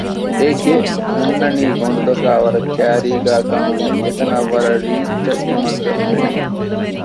އެ ގެ ހުންނަނީ ގޮނޑުދޮށާ ވަރަށް ކައިރީގައި ކަމުން އެތަނަށް ވަރަށް ރީއްޗަށް އެ މަންޒަރު ފެނެ